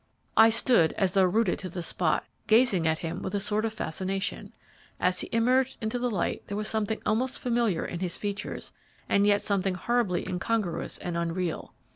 "I stood as though rooted to the spot, gazing at him with a sort of fascination. As he emerged into the light there was something almost familiar in his features, and yet something horribly incongruous and unreal.